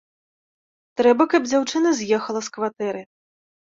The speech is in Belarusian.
Трэба, каб дзяўчына з'ехала з кватэры.